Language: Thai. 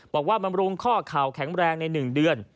บอกว่ามำรุงข้อข่าวแข็งแรงใน๑เดือน